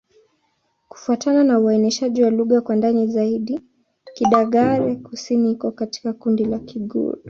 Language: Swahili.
Kufuatana na uainishaji wa lugha kwa ndani zaidi, Kidagaare-Kusini iko katika kundi la Kigur.